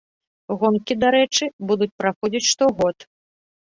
Гонкі, дарэчы, будуць праходзіць штогод.